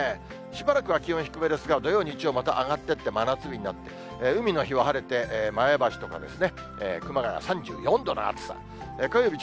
しばらくは気温低めですが、土曜、日曜、また上がってって、真夏日になって、海の日は晴れて、前橋とか熊谷３４度の暑さ、火曜日